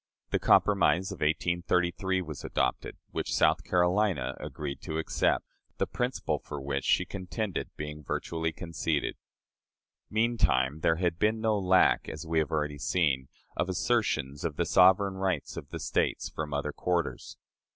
The compromise of 1833 was adopted, which South Carolina agreed to accept, the principle for which she contended being virtually conceded. Meantime there had been no lack, as we have already seen, of assertions of the sovereign rights of the States from other quarters.